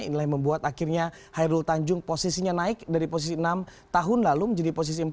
inilah yang membuat akhirnya hairul tanjung posisinya naik dari posisi enam tahun lalu menjadi posisi empat